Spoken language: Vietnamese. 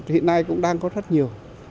hiện nay cũng đang có rất nhiều